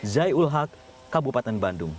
zai ul haq kabupaten bandung